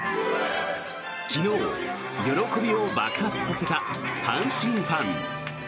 昨日、喜びを爆発させた阪神ファン。